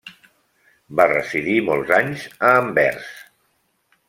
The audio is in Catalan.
Va residir molts anys a Anvers.